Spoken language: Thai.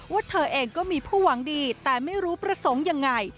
เธอเองก็มีผู้หวังดีแต่ไม่รู้ประสงค์ยังไง